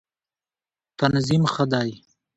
تنظیم ښه دی.